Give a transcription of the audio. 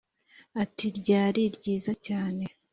ati ryari ryiza cyane